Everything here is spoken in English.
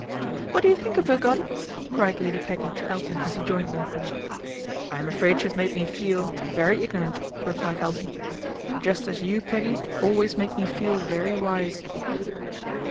''^' What do you think of her, Goddy ?" cried .ady Peggy to Elton as he joined them. " I'm afraid she has made me feel very 256 PATRICIA BRENT, SPINSTER ignorant," replied Elton. " Just as you, Peggy, always make me feel very wise."